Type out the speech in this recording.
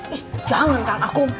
ih jangan kan aku